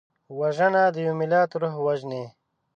وژنه د یو ملت روح وژني